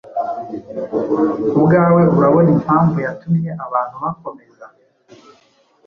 Ku bwawe urabona impamvu yatumye abantu bakomeza